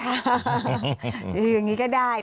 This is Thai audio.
อย่างนี้ก็ได้